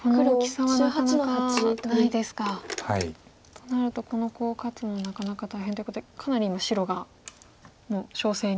となるとこのコウを勝つのはなかなか大変ということでかなりの白がもう勝勢に。